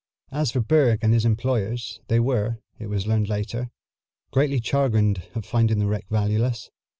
As for Berg and his employers, they were, it was learned later, greatly chagrined at finding the wreck valueless.